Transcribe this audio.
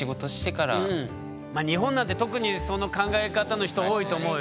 まあ日本なんて特にその考え方の人多いと思うよ。